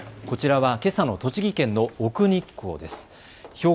こちらはけさの栃木県の奥日光です。